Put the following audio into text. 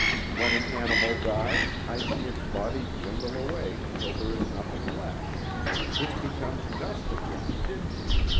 When an animal dies, I see its body dwindle away until there is nothing left; it becomes dust again.